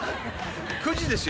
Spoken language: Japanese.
９時ですよ